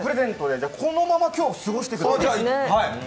このまま過ごしてください。